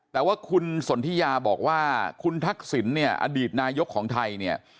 แต่ว่าคุณสนทิยาบอกว่าคุณทักษิณอดีตนายกของไทย